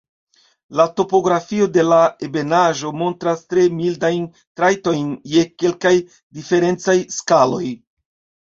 La topografio de la ebenaĵo montras tre mildajn trajtojn je kelkaj diferencaj skaloj.